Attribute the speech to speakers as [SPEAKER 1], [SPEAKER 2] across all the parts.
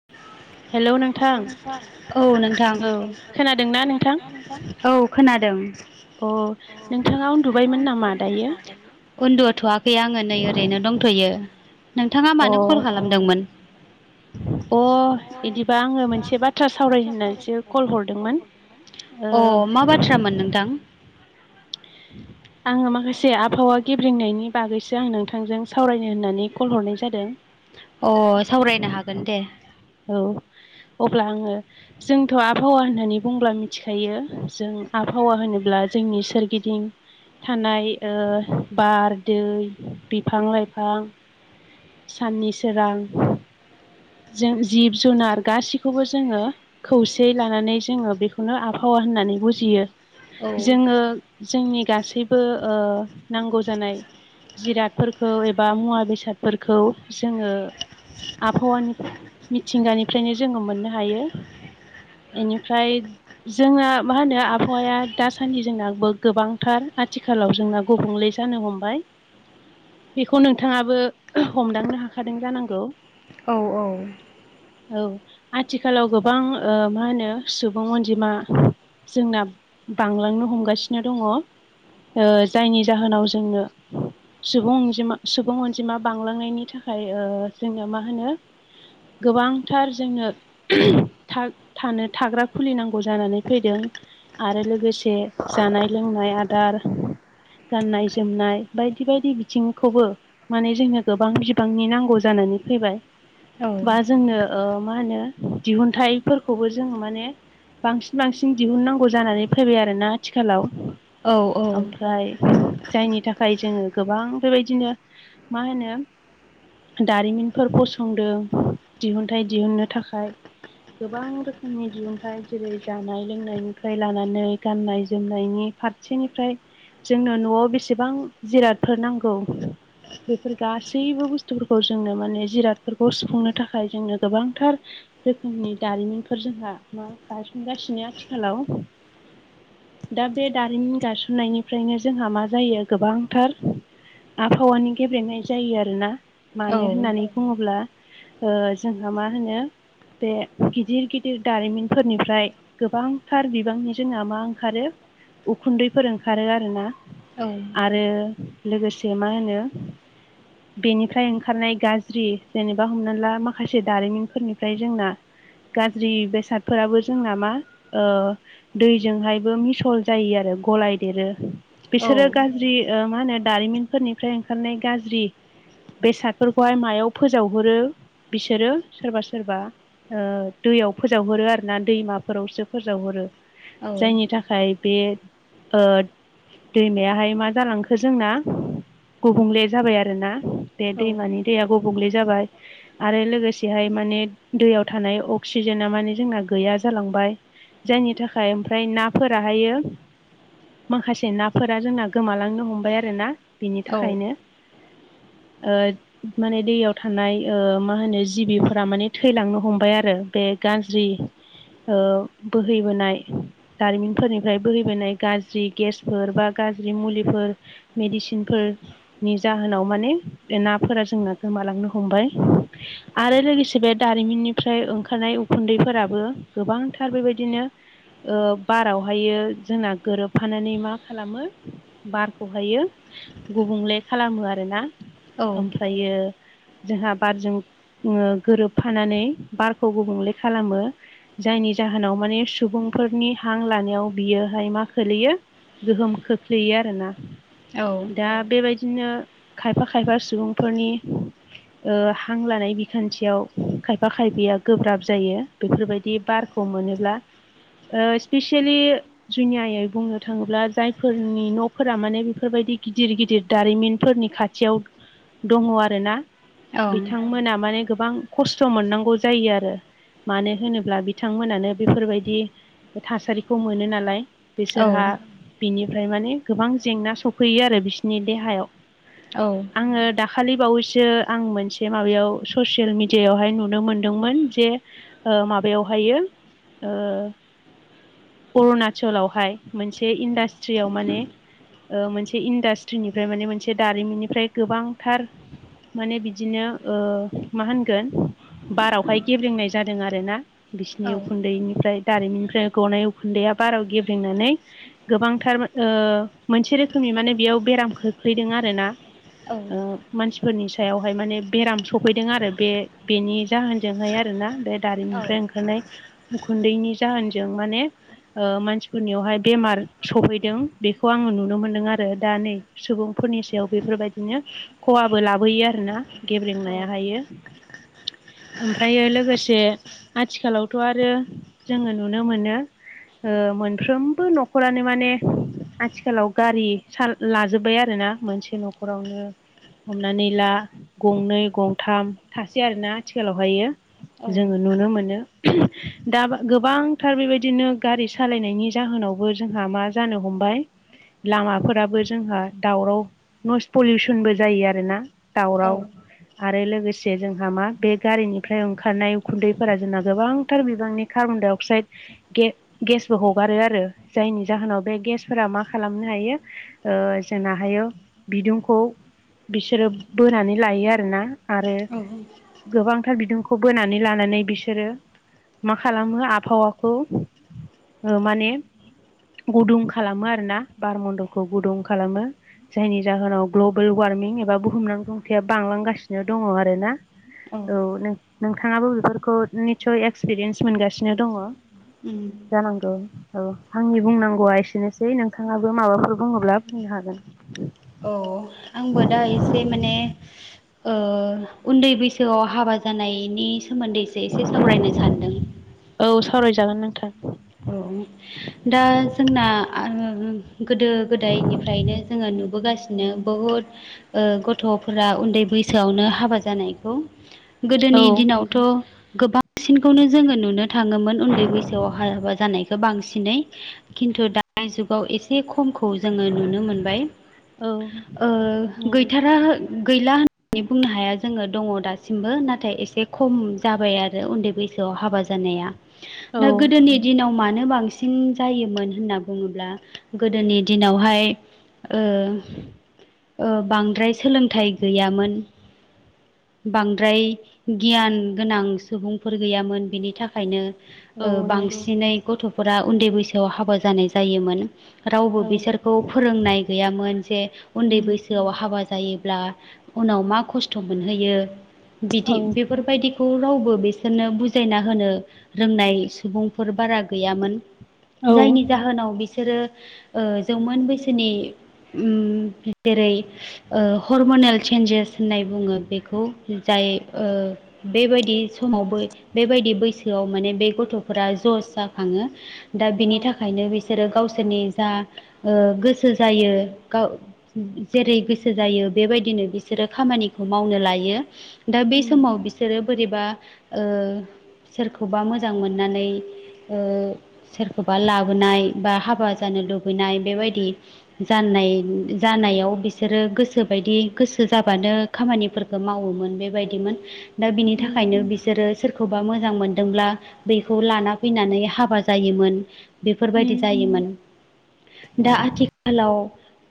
[SPEAKER 1] [inaudible] नोंथां
[SPEAKER 2] [unintelligible] औ नोंथां
[SPEAKER 1] औ खोनादोंना नोंथां
[SPEAKER 2] [unintelligible] औ खोनादों।
[SPEAKER 1] अ नोंथाङा उन्दुबायमोन नामा दायो
[SPEAKER 2] उन्दुथ'वाखै आङो नै ओरैनो दंथ'यो। नोंथाङा
[SPEAKER 1] अ
[SPEAKER 2] मानो कल खालामदोंमोन?
[SPEAKER 1] [inaudible] अ बिदिबा आङो मोनसे बाथ्रा सावराय होननानैसो कल हरदोंमोन
[SPEAKER 2] अ मा
[SPEAKER 1] ओ
[SPEAKER 2] बाथ्रामोन नोंथां
[SPEAKER 1] आङो माखासे आबहावा गेब्रंनायनि बागैसो आं नोंथांजों सावरायनो होननानै कल हरनाय जादों
[SPEAKER 2] अ सावरायनो हागोन दे।
[SPEAKER 1] औ अब्ला आङो जोंथ' आबहावा होननानै बुंब्ला मिथिखायो जों आबहावा होनोब्ला जोंनि सोरगिदिं थानाय ओ बार दै, बिफां, लाइफां साननि सोरां जों जिब जुनार गासिखौबो जोङो खौसेै लानानै जोङो बेखौनो आबहावा होननानै बुजियो।
[SPEAKER 2] औ
[SPEAKER 1] जोङो जोंनि गासैबो ओ नांगौ जानाय जिराद फोरखौ एबा मुवा बेसादफोरखौ जोङो आबहावानि मिथिंगानिफ्रायनो जोङो मोननो हायो बेनिफ्राय, जोंना मा होनो आबहावाया दासान्दि जोंनावो गोबांथार आथिखाल आथिखालाव जोंना गुबुंले जानो हमबाय। बेखौ नोंथाङाबो हमदांनो हाखादों जानांगौ।
[SPEAKER 2] औ औ,
[SPEAKER 1] औ आथिखालाव गोबां ओ मा होनो सुबुं अनजिमा जोंना बांलांनो हमगासिनो दङ'। ओ जायनि जाहोनाव जोंनो सुबुं अनजिमा बांलांनायनि थाखाय ओ जोंया मा होनो गोबांथार जोंनो थानो थाग्रा खुलिनांगौ जानानै फैदों। आरो लोगोसे जानाय लोंनाय आदार गाननाय जोमनाय बायदि बायदि बिथिंखौबो माने जोंनो गोबां बिबांनि नांगौ जानानै फैबाय। बा जोंनो ओ मा होनो दिहुनथाइफोरखौबो जों माने बांसिन बांसिन दिहुननांगौ जानानै फैबाय आरोना आथिखालाव
[SPEAKER 2] औ
[SPEAKER 1] ओमफ्राय, जायनि थाखाय जोङो गोबां बेबायदिनो मा होनो दारिमिनफोर फसंदों दिहुनथाइ दिहुननो थाखाय गोबां रोखोमनि दिहुनथाइ, जेरै जानाय लोंनायनिफ्राय लानानै गाननाय जोमनायनि फार सेनिफ्राय जोंनो न'आव बेसेबां जिरादफोर नांगौ बेफोर गासैबो बुस्थुफोरखौ जोंनो माने जिराद फोरखौ सुफुंनो थाखाय जोंनो गोबांथार रोखोमनि दारिमिनफोर जोंहा मा गायसनगासिनो आथिखालाव दा बे दारिमिन गायसननायनिफ्रायनो जोंहा मा जायो गोबांथार आबहावानि गेब्लेनाय जायो आरोोना
[SPEAKER 2] औ
[SPEAKER 1] मानो होननानै ब्ला ओ जोंहा मा होनो बे गिदिर गिदिर दारिमिनफोरनिफ्राय गोबांथार बिबांनि जोंना मा ओंखारो उखुन्दैफोर ओंखारो आरोना
[SPEAKER 2] औ
[SPEAKER 1] आरो लोगोसे मा होनो बेनिफ्राय ओंखारनाय गाज्रि जेनेबा हमना ला माखासे दारिमिनफोरनिफ्राय जोंना गाज्रि बेसादफोराबो जोंना मा ओ दैजोंहायबो मिसल जायो। आरो गलायदेरो
[SPEAKER 2] औ
[SPEAKER 1] बिसोरो गाज्रि ओ मा होनो दारिमिन फोरनिफ्राय ओंखारनाय गाज्रि बेसादफोरखौहाय मायाव फोजावहरो बिसोरो सोरबा सोरबा ओ दैयाव फोजावहरो आरो ना दैमाफोरावसो फोजावहरो जायनि था खाय बे ओ दैमायाहाय मा जालांखो जोंना गुबुंले जाबाय आरोना बे
[SPEAKER 2] औ
[SPEAKER 1] दैमानि दैया गुबुंले जाबाय आरो लोगोसेहाय माने दैयाव थानाय अक्सिजेना माने जोंना गैया जालांबाय जायनि थाखाय ओमफ्राय नाफोराहायो माखासे नाफोरा जोंना गोमालांनो हमबाय आरो ना बिनि थाखायनो ओ माने दैयाव थानाय ओ मा होनो जिबिफोरा माने थैलांनो हमबाय आरो बे गाज्रि ओ बोहैबोनाय दारिमिनफोरनिफ्राय बोहैबोनाय गाज्रि गेसफोर बा गाज्रि मुलिफोर मेडिसिनफोरनि जाहोनाव माने नाफोरा जोंना गोमालांनो हमबाय आरो लोगोसे बे दारिमिननिफ्राय ओंखारनाय उखुन्दैफोराबो गोबांथार बेबायदिनो ओ बारावहायो जोंना गोरोबफानानै मा खालामो बारखौहायो गुबुंले खालामो आरोना
[SPEAKER 2] ओं
[SPEAKER 1] ओमफ्रायो जोंहा बारजों ओ गोरोबफानानै बारखौ गुबुंले खालामो जायनि जाहोनाव माने सुबुंफोरनि हां लानायाव बियोहाय मा खोलैयो गोहोम खोख्लैयो आरो ना
[SPEAKER 2] औ
[SPEAKER 1] दा बेबायदिनो खायफा खायफा सुबुंफोरनि ओ हां लानाय बिखान्थियाव खायफा खायफाया गोब्राब जायो बेफोरबायदि बार खौ मोनोब्ला ओ स्पेसियेलि जुनियायै बुंनो थाङोब्ला जायफोरनि न'फोरा माने बेफोरबायदि गिदिर गिदिर दारिमिनफोरनि खाथ थियाव दङ आरोना
[SPEAKER 2] औ
[SPEAKER 1] बिथांमोना माने गोबां खस्थ' मोननांगौ जायो आरो मानो होनोब्ला बिथांमोनानो बेफोरबायदि थासारिखौ मोनो नालाय बिसोरहा बिनिफ्राय माने गोबां जेंना सफैयो आरो बिसोरनि देहायाव
[SPEAKER 2] औ
[SPEAKER 1] आङो दाखालि बावैसो आं मोनसे माबायाव ससियेल मिडियायावहाय नुनो मोनदोंमोन जे ओ माबायावहायो ओ अरुणाचलावहाय मोनसे इन्डास्ट्रियाव माने ओ मोनसे इन्डास्ट्रिनिफ्राय माने मोनसे दारिमिननिफ्राय गोबांथार माने बिदिनो ओ मा होनगोन बारावहाय गेब्लेंनाय जादों आरोना बिसिनि उखुन्दैनिफ्राय दारिमिननिफ्राय गनाय उखुन्दैया बाराव गेब्रेंनानै गोबांथार ओ मोनसे रोखोमनि माने बेयाव बेराम खोख्लैदों आरोना ओ मानसिफोरनि सायावहाय माने बेराम सफैदों आरो बे बेनि जाहोनजोंहाय आरोना बे दारिमिनिफ्राय ओंखारनाय उखुन्दैनि जाहोनजों माने ओ मानसिफोरनियावहाय बेमार सफैदों बेखौ आङो नुनो मोनदों आरो दा नै सुबुंफोरनि सायाव बेफोरबायदिनो खहाबो लाबोयो आ रोना गेब्रेंनाया हायो ओमफ्रायो लोगोसे आथिखालावथ' आरो जोङो नुनो मोनो ओ मोनफ्रोमबो न'खरानो माने आथिखालाव गारि साल लाजोब्बाय आरोना मोनसे न'खरावनो। हमनानै ला गंनै गंथाम थासै आरोना आथिखालावहायो
[SPEAKER 2] औ
[SPEAKER 1] जोङो नुनो मोनो। [inaudible] दा गोबांथार बेबायदिनो गारि सालायनायनि जाहोनावबो जोंहा मा जानो हमबाय लामाफोराबो जोंहा दावराव नयस पलिउसनबो जायो आरोना। दावराव आरो लोगोसे जोंहा मा बे गारिनिफ्राय ओंखारनाय उखुन्दैफोरा जोंना गोबांथार बिबांनि कारबनडाइ अक्साइड गे गेसबो हगारो आरो जायनि जाहोनाव बे गेसफोरा मा खालामनो हायो जोंना हायो बिदुंखौ बिसोरो बोनानै लायो आरोना आरो
[SPEAKER 2] औ
[SPEAKER 1] गोबांथार बिदुंखौ बोनानै लानानै बिसोरो मा खालामो आबहावाखौ माने गुदुं खालामो आरोना बार मन्डलखौ गुदुं खालामो जायनि जाहोनाव ग्लबेल वार्मिं एबा बुहुमनां सुबुंथिया बांलांगासिनो दङ आरोना औ नों नोंथाङाबो बेफोरखौ निसय एक्सपिरियेन्स मोनगासिनो दङ
[SPEAKER 2] उम
[SPEAKER 1] जानांगौ औ आंनि बुंनांगौआ एसेनोसै नोंथाङाबो माबाफोर बुङोब्ला बुंनो हागोन।
[SPEAKER 2] औ आंबो दा एसे माने उन्दै बैसोआव हाबा जानायनि सोमोन्दैसो एसे सावरायनो सानदों
[SPEAKER 1] औ सावरायजागोन नोंथां।
[SPEAKER 2] औ औ दा जोंना गोदो गोदायनिफ्रायनो जोङो नुबोगासिनो बहुद गथ'फोरा उन्दै बैसोआवनो हाबा जानायखौ गोदोनि
[SPEAKER 1] औ
[SPEAKER 2] दिनावथ' गोबांसिनखौनो जोङो नुनो थाङोमोन उन्दै बैसोआव हाबा जानायखौ बांसिन नै खिन्थु दानि जुग गाव एसे खमखौ जोङो नुनो मोनबाय
[SPEAKER 1] औ
[SPEAKER 2] ओ
[SPEAKER 1] नंगौ
[SPEAKER 2] गैथारा गैला होननानै बुंनो हाया जोङो दङ दासिमबो नाथाय एसे खम जाबाय आरो उन्दै बै सोयाव हाबा जानाया
[SPEAKER 1] औ
[SPEAKER 2] दा गोदोनि दिनाव मानो बांसिन बांसिन जायोमोन होनना बुङोब्ला गोदोनि दिनावहाय ओ बांद्राय सोलोंथाइ गैयामोन बांद्राय गियान गोनां सुबुंफोर गैयामोन बिनि थाखायनो
[SPEAKER 1] औ नंगौ
[SPEAKER 2] बांसिनै गथ'फोरा उन्दै बैसोआव हाबा जानाय जायोमोन रावबो
[SPEAKER 1] औ
[SPEAKER 2] बिसोरखौ फोरोंनाय गैयामोन जे उन्दै
[SPEAKER 1] उम
[SPEAKER 2] बैसो गोसोआव हाबा जायोब्ला उनाव मा खस्थ' मोनहैयो बिदि
[SPEAKER 1] औ
[SPEAKER 2] बे फोरबायदिखौ रावबो बिसोरनो बुजायना होनो रोंनाय सुबुंफोर बारा गैयामोन
[SPEAKER 1] औ
[SPEAKER 2] जायनि जाहोनाव बिस जौमोन बैसोनि जेरै ओ हरमनेल चेन्जेस होननाय बुङो बेखौ जाय बेबायदि समावबो बेबायदि बैसोआव माने बे गथ'फोरा जस जाखाङो दा बिनि
[SPEAKER 1] औ
[SPEAKER 2] थाखायनो बिसोरो गावसोरनि जा ओ गोसो जायो गाव जेरै गोसो जायो बेबायदिनो बिसोरो खामानिखौ मावनो लायो। दा बे
[SPEAKER 1] उम
[SPEAKER 2] समाव बिस सोरो बोरैबा ओ सोरखौबा मोजां मोननानै ओ सोरखौबा लाबोनाय बा हाबा जानो लुबैनाय बेबायदि जाननाय जानायाव बिसोरो गोसोबायदि गोसो जाबानो खामानिफोरखौ मावोमोन बेबायदिमोन दा बिनि
[SPEAKER 1] उम
[SPEAKER 2] थाखायनो बिसोरो सोरखौबा मोजां मोनदोंब्ला बेखौ लाना फैनानै हाबा जायोमोन बेफोरबायदि
[SPEAKER 1] उम
[SPEAKER 2] जायोमोन दा आथिखालाव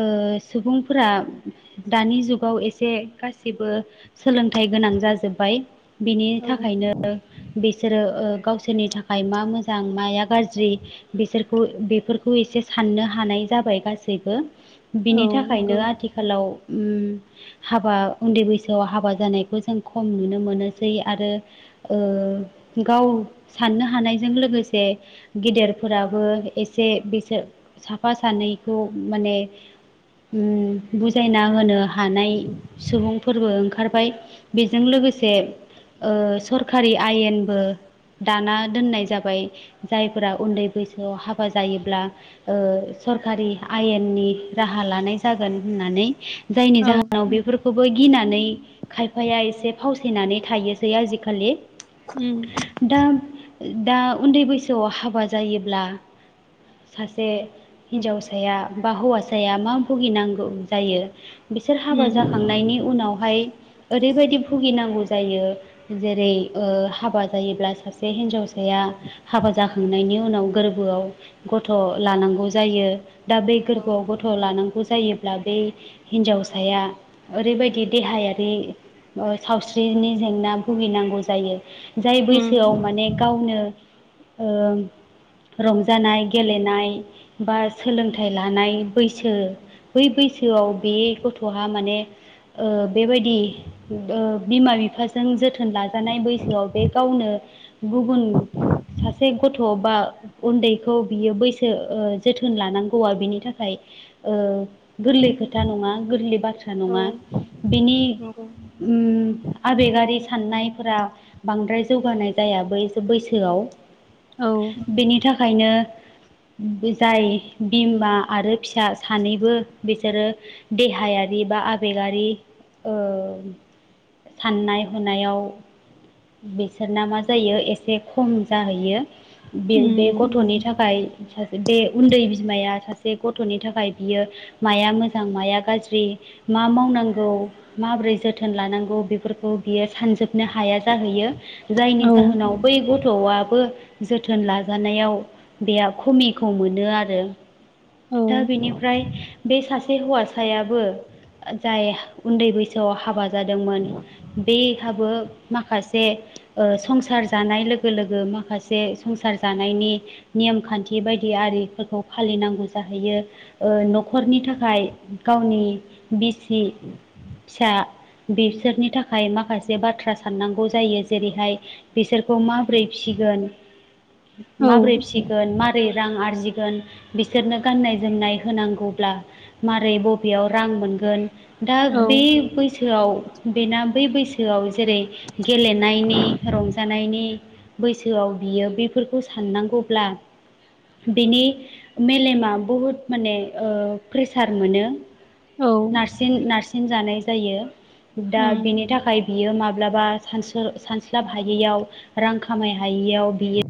[SPEAKER 2] ओ सुबुंफोरा दानि जुगाव एसे से गासिबो सोलोंथाइ गोनां जाजोब्बाय बिनि
[SPEAKER 1] औ
[SPEAKER 2] थाखायनो बिसोरो ओ गावसोरनि थाखाय मा मोजां माया गाज्रि बिसोरखौ बेफोरखौ एसे साननो हानाय जाबाय गासैबो
[SPEAKER 1] औ
[SPEAKER 2] बिनि थाखायनो
[SPEAKER 1] नंगौ
[SPEAKER 2] आथिखालाव उम हाबा उन्दै बैसोआव हाबा जानायखौ जों खम नुनो मोनोसै आरो ओ गाव साननो हानायजों लोगोसे गेदेरफोराबो एसे बिसोर साफा सानैखौ माने उम बुजायना होनो हानाय सुबुंफोरबो ओंखारबाय। बेजों लोगोसे ओ सरखारि आयेनबो दाना दोननाय जाबाय। जायफोरा उन्दै बैसोआव हाबा जायोब्ला ओ सरखारि आयेननि राहा लानाय जागोन होननानै जायनि
[SPEAKER 1] औ
[SPEAKER 2] जाहोनाव बेफोरखौ बो गिनानै खायफाया एसे फावसायनानै थायोसै आजिखालि
[SPEAKER 1] उम
[SPEAKER 2] दा दा उन्दै बैसोआव हाबा जायोब्ला सासे हिन्जावसाया बा हौवासाया मा भुगिनांगौ जायो बिसोर हाबा
[SPEAKER 1] उम
[SPEAKER 2] जाखांनायनि उनावहाय ओरैबायदि भुगिनांगौ जायो। जेरै ओ हाबा जायोब्ला सासे हिन्जावसाया हाबा जाखांनायनि उनाव गोरबोआव गथ' लानांगौ जायो। दा बे गोरबोआव गथ' लानांगौ जायो ब्ला बे हिन्जावसाया ओरैबायदि देहायारि ओ सावस्रिनि जेंना भुगिनांगौ जायो जाय बैसोआव
[SPEAKER 1] उम
[SPEAKER 2] माने गावनो ओं रंजानाय गेलेनाय बा सोलोंथाइ लानाय बैसो बै बैसोआव बे गथ'हा माने ओ बेबायदि ओ बिमा बिफाजों जोथोन लाजानाय बैसोआव बे गावनो गुबुन सासे गथ' बा उन्दैखौ बियो बैसो ओ जोथोन लानांगौआ बिनि थाखाय ओ गोरलै खोथा नङा गोरलै बाथ्रा
[SPEAKER 1] औ
[SPEAKER 2] नङा बिनि
[SPEAKER 1] नंगौ
[SPEAKER 2] उम आबेगारि साननायफोरा बांद्राय जौगानाय जाया बैस बैसोआव
[SPEAKER 1] औ
[SPEAKER 2] बेनि थाखायनो जाय बिमा आरो फिसा सानैबो बिसोरो देहायारि बा आबेगारि ओ साननाय हनायाव बिसोरना मा जायो एसे खम जाहैयो बे
[SPEAKER 1] उम
[SPEAKER 2] बे
[SPEAKER 1] उम
[SPEAKER 2] गथ'नि थाखाय सासे बे उन्दै बिमाया सासे गथ'नि थाखाय बियो माया मोजां माया गाज्रि मा मावनांगौ माबोरै जोथोन लानांगौ बेफोरखौ बियो सानजोबनो हाया जाहैयो जायनि
[SPEAKER 1] औ
[SPEAKER 2] जाहोनाव बै गथ'आ बो जोथोन लाजानायाव बेहा खमिखौ मोनो आरो दा बेनिफ्राय बे सासे हौवासायाबो जाय उन्दै बैसोआव हाबा जादोंमोन बे थाबो माखासे ओ संसार जानाय लोगो लोगो मो माखासे संसार जानायनि नेम खान्थि बायदि आरिफोरखौ फालिनांगौ जाहैयो ओ न'खरनि थाखाय गावनि बिसि फिसा बिसोरनि थाखाय माखासे बाथ्रा साननांगौ जायो जेरैहाय बिसोरखौ माबोरै फिगोन
[SPEAKER 1] औ
[SPEAKER 2] माबोरै फिसिगोन माबोरै रां आरजिगोन बिसोरनो गाननाय जोमनाय होनांगौब्ला मारै बबेयाव रां मोनगोन दा
[SPEAKER 1] औ
[SPEAKER 2] बे बैसोआव बेना बै बैसोआव जेरै गेलेनायनि रंजानायनि बैसोआव बियो बेफोरखौ साननांगौब्ला बिनि मेलेमा बहुद माने ओ प्रेसार मोनो
[SPEAKER 1] औ
[SPEAKER 2] नारसिन नारसिन जानाय जायो दा
[SPEAKER 1] उम
[SPEAKER 2] बेनि थाखाय बियो माब्लाबा सानस्लाब हायैयाव रां खामाय हायैयाव बियो